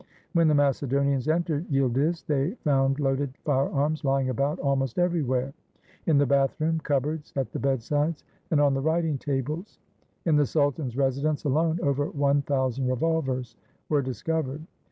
When the Macedonians entered Yildiz, they found loaded firearms lying about almost everywhere — in the bathroom, cupboards, at the bed sides, and on the writing tables. In the sultan's residence alone over one thousand revolvers were discovered.